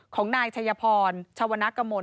ของนายชัยพรชวนกมล